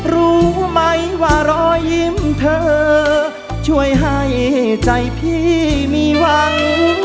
รู้ไหมว่ารอยยิ้มเธอช่วยให้ใจพี่มีหวัง